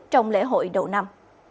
trong lễ hội đầu năm